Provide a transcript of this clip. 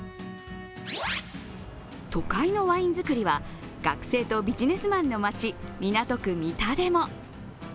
都会のワイン造りは、学生とビジネスマンの街、港区三田でも。